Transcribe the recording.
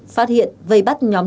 phát hiện vây bắt nhóm đeo